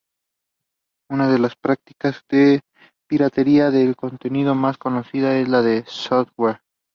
Una de las prácticas de piratería de contenidos más conocida es la del software.